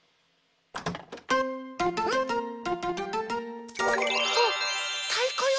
ん？あったいこよ。